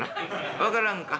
分からんか？